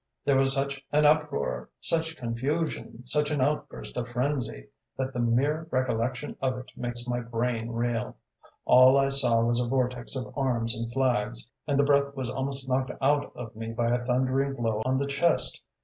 There was such an uproar, such confusion, such an outburst of frenzy, that the mere recollection of it makes my brain reel. All I saw was a vortex of arms and flags, and the breath was almost knocked out of me by a thundering blow on the chest.